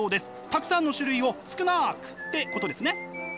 たくさんの種類を少なくってことですね。